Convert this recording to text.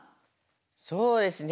そうですね